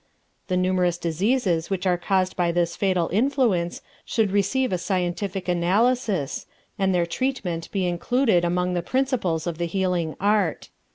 The numerous diseases which are caused by this fatal influence should receive a scientific analysis, and their treatment be included among the principles of the healing art.